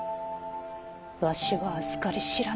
わしはあずかり知らぬ。